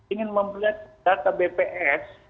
ingin memperlihatkan data bps